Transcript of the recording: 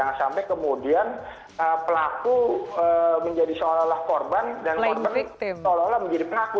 jangan sampai kemudian pelaku menjadi seolah olah korban dan korban seolah olah menjadi pelaku